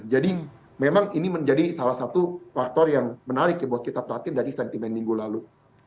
jadi memang ini menjadi salah satu faktor yang menarik ya buat kita perhatiin dari sentimen minggu lalu